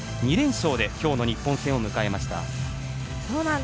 ２連勝で今日の日本戦を迎えました。